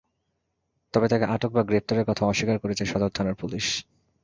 তবে তাঁকে আটক বা গ্রেপ্তারের কথা অস্বীকার করেছে সদর থানার পুলিশ।